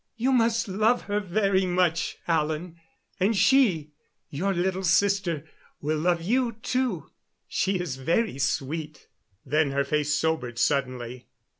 "You must love her very much, Alan. And she your little sister will love you, too. She is very sweet." Then her face sobered suddenly.